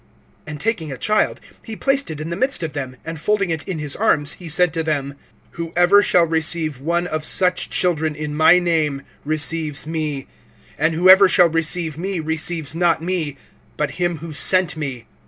(36)And taking a child, he placed it in the midst of them; and folding it in his arms, he said to them: (37)Whoever shall receive one of such children in my name, receives me and whoever shall receive me, receives not me, but him who sent me.